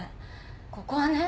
ここはね